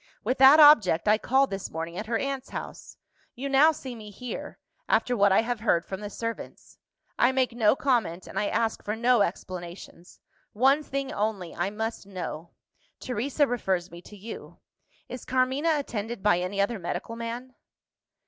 With that object, I called this morning at her aunt's house. You now see me here after what I have heard from the servants. I make no comment, and I ask for no explanations. One thing only, I must know. Teresa refers me to you. Is Carmina attended by any other medical man?"